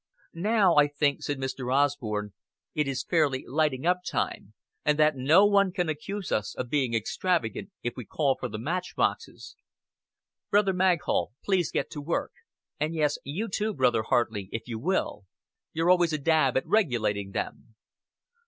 "Now, I think," said Mr. Osborn, "it is fairly lighting up time, and that no one can accuse us of being extravagant if we call for the match boxes. Brother Maghull, please get to work. And, yes, you too, Brother Hartley, if you will. You're always a dab at regulating them."